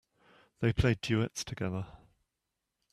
They play duets together.